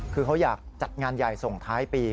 คือเขาอยากจัดงานใหญ่ส่งท้ายปี